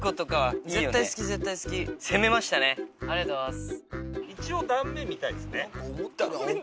ありがとうございます。